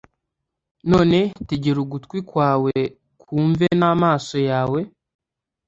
none tegera ugutwi kwawe kumve n amaso yawe